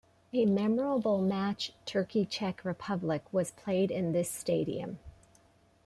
A memorable match Turkey-Czech Republic was played in this stadium.